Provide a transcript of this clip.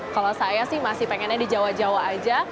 kalau saya sih masih pengennya di jawa jawa aja